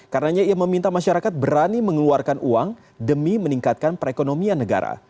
karenanya ia meminta masyarakat berani mengeluarkan uang demi meningkatkan perekonomian negara